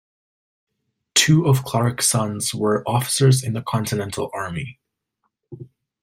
Two of Clark's sons were officers in the Continental Army.